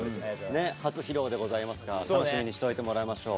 初披露でございますが楽しみにしといてもらいましょう。